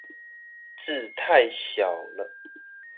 字太小了